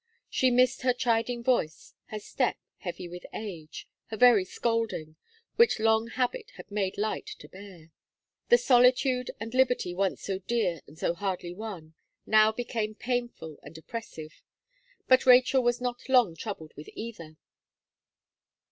She missed her chiding voice, her step, heavy with age, her very scolding, which long habit had made light to bear. The solitude and liberty once so dear and so hardly won, now became painful and oppressive; but Rachel was not long troubled with either.